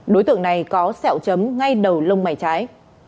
đối tượng này có sẹo chấm ngay đầu lông mày trái